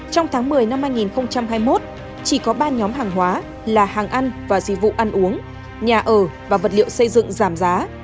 trong tháng một mươi năm hai nghìn hai mươi một chỉ có ba nhóm hàng hóa là hàng ăn và dịch vụ ăn uống nhà ở và vật liệu xây dựng giảm giá